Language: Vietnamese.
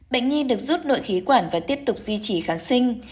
bệnh nhi được rút nội khí quản và tiếp tục duy trì kháng sinh